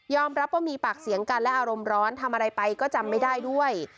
รับว่ามีปากเสียงกันและอารมณ์ร้อนทำอะไรไปก็จำไม่ได้ด้วย